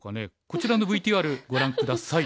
こちらのＶＴＲご覧下さい。